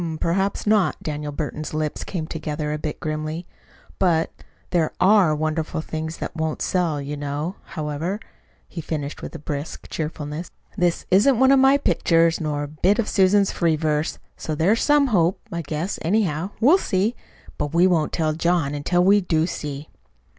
"Hm m; perhaps not." Daniel Burton's lips came together a bit grimly. "But there ARE wonderful things that won't sell, you know. However," he finished with brisk cheerfulness, "this isn't one of my pictures, nor a bit of Susan's free verse; so there's some hope, I guess. Anyhow, we'll see but we won't tell John until we do see."